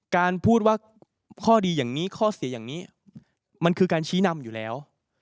การพูดว่าข้อดีอย่างนี้ข้อเสียอย่างนี้มันคือการชี้นำอยู่แล้ว